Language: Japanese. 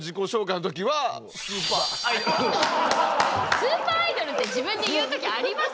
スーパーアイドルって自分で言う時あります？